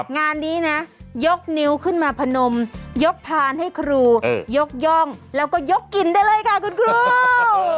งานนี้นะยกนิ้วขึ้นมาพนมยกพานให้ครูยกย่องแล้วก็ยกกลิ่นได้เลยค่ะคุณครู